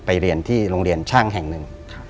เรียนที่โรงเรียนช่างแห่งหนึ่ง